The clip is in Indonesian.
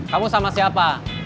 kamu sama siapa